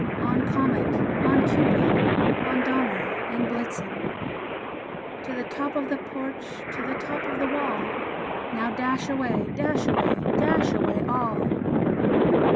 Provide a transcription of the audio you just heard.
On! Comet, on! Cupid, on! Dunder and Blitzen To the top of the porch, to the top of the wall! Now, dash away, dash away, dash away all!"